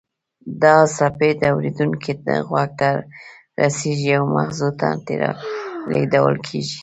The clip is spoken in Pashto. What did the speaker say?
دا څپې د اوریدونکي غوږ ته رسیږي او مغزو ته لیږدول کیږي